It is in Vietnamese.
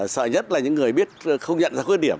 sợ nhất là những người biết không nhận ra khuyết điểm